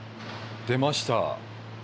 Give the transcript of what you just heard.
出ました。